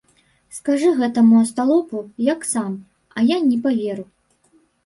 Скажы гэтакаму асталопу, як сам, а я не паверу.